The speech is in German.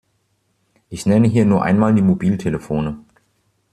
Ich nenne hier nur einmal die Mobiltelefone.